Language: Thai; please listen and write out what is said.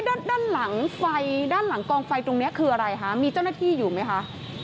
ด้านหลังกลองฟันไฟตรงนี้คืออะไรคะมีเจ้าหน้าที่อยู่ไหมคะ